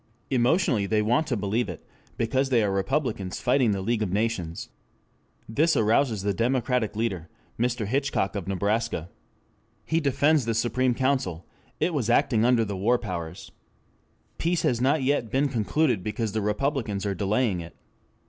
Emotionally they want to believe it, because they are Republicans fighting the League of Nations. This arouses the Democratic leader, Mr. Hitchcock of Nebraska. He defends the Supreme Council: it was acting under the war powers. Peace has not yet been concluded because the Republicans are delaying it.